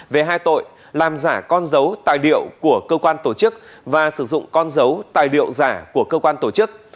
về hai tội làm giả con dấu tài liệu của cơ quan tổ chức và sử dụng con dấu tài liệu giả của cơ quan tổ chức